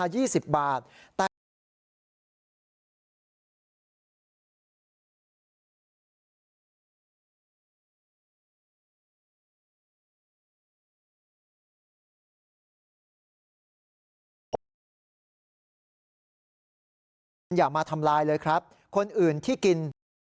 อย่ามาทำลายเลยครับคนอื่นที่กิน